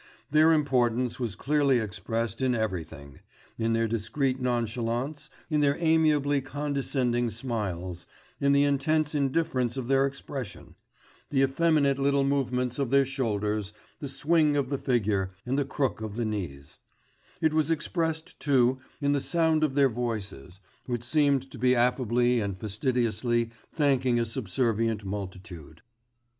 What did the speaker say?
Their importance was clearly expressed in everything: in their discreet nonchalance, in their amiably condescending smiles, in the intense indifference of their expression, the effeminate little movements of their shoulders, the swing of the figure, and the crook of the knees; it was expressed, too, in the sound of their voices, which seemed to be affably and fastidiously thanking a subservient multitude.